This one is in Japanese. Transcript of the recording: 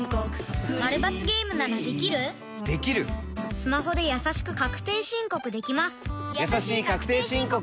スマホでやさしく確定申告できます